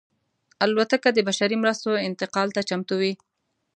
الوتکه د بشري مرستو انتقال ته چمتو وي.